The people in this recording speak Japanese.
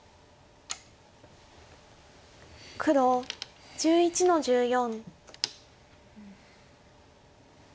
黒１１の十四。